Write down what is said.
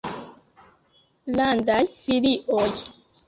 landaj filioj.